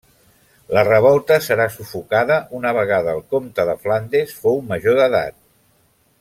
La revolta serà sufocada una vegada el comte de Flandes fou major d'edat.